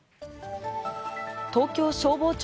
東京消防庁